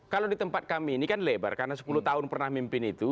kalau di tempat kami ini kan lebar karena sepuluh tahun pernah mimpin itu